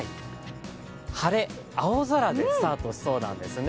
晴れ、青空でスタートしそうなんですね。